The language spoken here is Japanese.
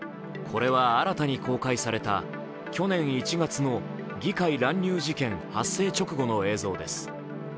これは新たに公開された去年１月の議会乱入事件発生直後の映像です。